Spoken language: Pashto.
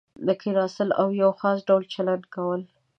کېناستل او یو خاص ډول چلند کول.